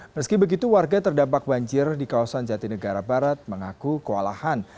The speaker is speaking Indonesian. meski begitu warga terdampak banjir di kawasan jatinegara barat mengaku kewalahan